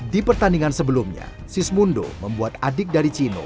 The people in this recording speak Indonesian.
di pertandingan sebelumnya sismundo membuat adik dari cino